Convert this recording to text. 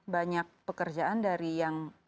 banyak pekerjaan dari yang